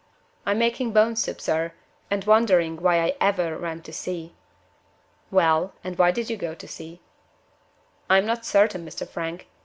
"I'm making bone soup, sir, and wondering why I ever went to sea." "Well, and why did you go to sea?" "I'm not certain, Mr. Frank.